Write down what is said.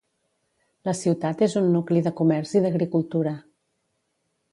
La ciutat és un nucli de comerç i d'agricultura.